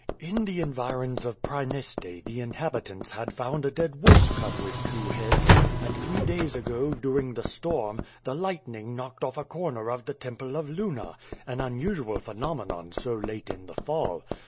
In the environs of Praeneste the inhabitants had found a dead wolf cub with two heads, and three days ago, during the storm, the lightning knocked oflE a corner of the temple of Luna — an unusual phenomenon so late in the fall.